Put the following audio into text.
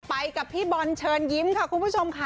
ไปกับพี่บอลเชิญยิ้มค่ะคุณผู้ชมค่ะ